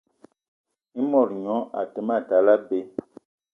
I mot gnion a te ma tal abei